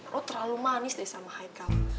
lo terlalu manis deh sama haikal